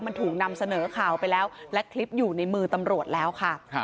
มันถูกนำเสนอข่าวไปแล้วและคลิปอยู่ในมือตำรวจแล้วค่ะ